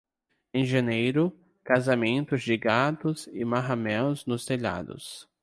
Em janeiro, casamentos de gatos e marrameus nos telhados.